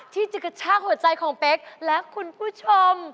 ที่จะกระชากหัวใจของเป๊กและคุณผู้ชม